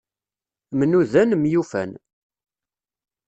Mnudan, myufan.